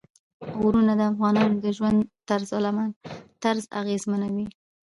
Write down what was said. غرونه د افغانانو د ژوند طرز اغېزمنوي.